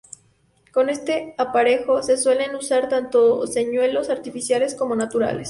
Con este aparejo se suelen usar tanto señuelos artificiales como naturales.